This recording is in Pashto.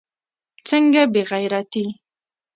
څنگه بې غيرتي.